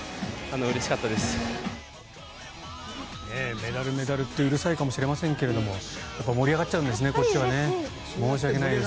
メダル、メダルってうるさいかもしれませんがやっぱり盛り上がっちゃうんですこっちはね、申し訳ないです。